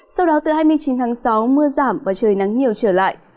sau đó từ hai mươi chín tháng sáu mưa giảm và trời nắng nhiều trở lại